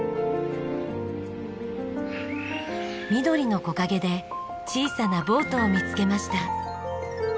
緑の木陰で小さなボートを見つけました。